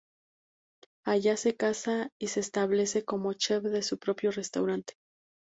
Allá se casa y se establece como chef de su propio restaurante.